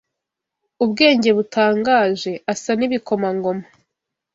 ubwenge butangaje, asa n’ibikomangoma